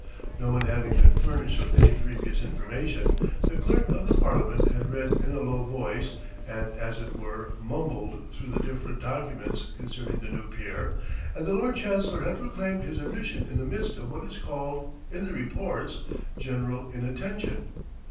No one having been furnished with any previous information, the Clerk of the Parliament had read in a low voice, and as it were, mumbled through the different documents concerning the new peer, and the Lord Chancellor had proclaimed his admission in the midst of what is called, in the reports, "general inattention."